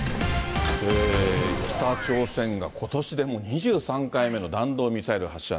北朝鮮がことしでもう２３回目の弾道ミサイル発射。